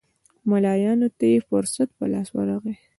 ملایانو ته یې فرصت په لاس ورغی.